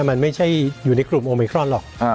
มันไม่ใช่อยู่ในกลุ่มโอมิครอนหรอก